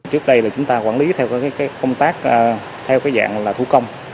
trước đây là chúng ta quản lý theo cái công tác theo cái dạng là thú công